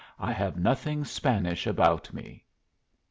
I have nothing Spanish about me.)